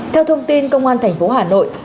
theo thông tin công an tp hà nội